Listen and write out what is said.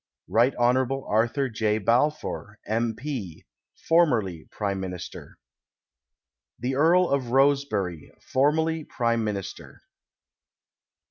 Rt. Hon. Arthur J. Balfour, M. P., formerly Prime ]\Iinist.'r. The Earl of Rosebery, formerly Prime Min ister.